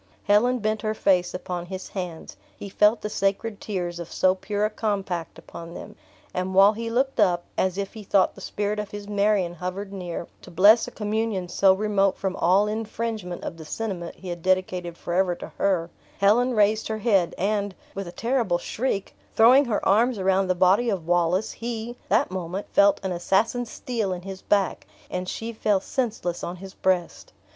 Helen bent her face upon his hands; he felt the sacred tears of so pure a compact upon them; and while he looked up, as if he thought the spirit of his Marion hovered near, to bless a communion so remote from all infringement of the sentiment he had dedicated forever to her, Helen raised her head and, with a terrible shriek, throwing her arms around the body of Wallace, he, that moment, felt an assassin's steel in his back, and she fell senseless on his breast.